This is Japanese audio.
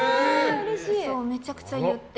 めちゃくちゃ言って。